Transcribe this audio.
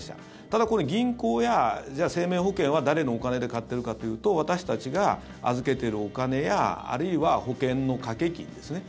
ただ、銀行や生命保険は誰のお金で買ってるかというと私たちが預けているお金やあるいは保険の掛け金ですね。